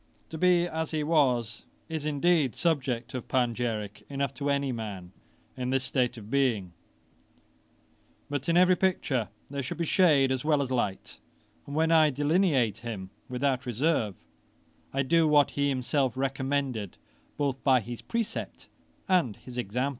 To be as he was, is indeed subject of panegyrick enough to any man in this state of being; but in every picture there should be shade as well as light, and when I delineate him without reserve, I do what he himself recommended, both by his precept and his example.